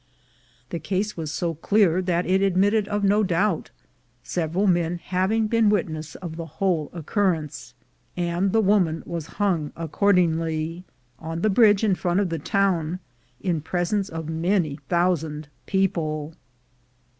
The case was so clear that it admitted of no doubt, several men having been witnesses of the whole occurrence; and the woman was hung accordingly, on the bridge in front of the town, in presence of many thousand people.